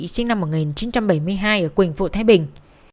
sinh năm một nghìn chín trăm bảy mươi hai ở quỳnh phụ thái bình